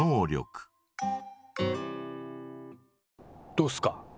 どうっすか？